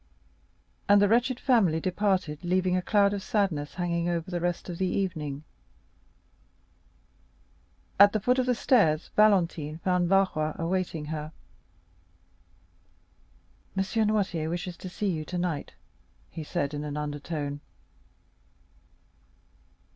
And the wretched family departed, leaving a cloud of sadness hanging over the rest of the evening. At the foot of the stairs, Valentine found Barrois awaiting her. "M. Noirtier wishes to see you tonight, he said, in an undertone.